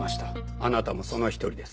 あなたもその一人です。